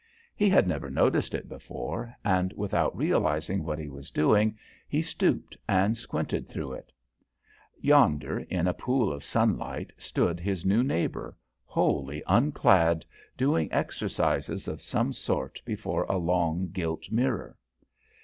He had never noticed it before, and without realizing what he was doing, he stooped and squinted through it. Yonder, in a pool of sunlight, stood his new neighbour, wholly unclad, doing exercises of some sort before a long gilt mirror.